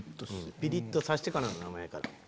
ピリっとさせてからの名前やから。